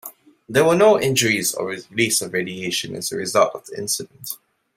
There were no injuries or release of radiation as a result of the incident.